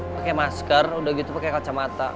pake masker udah gitu pake kacamata